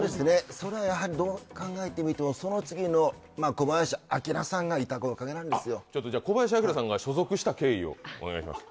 それはやはりどう考えてみてもその次の小林旭さんが所属した経緯をお願いします